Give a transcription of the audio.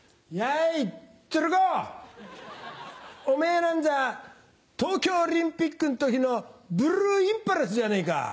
おめぇなんざ東京オリンピックん時のブルーインパルスじゃねえか。